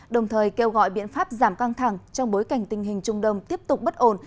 đồng thời kêu gọi biện pháp giảm căng thẳng trong bối cảnh tình hình trung đông tiếp tục bất ổn